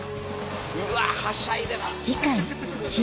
うわはしゃいでますね。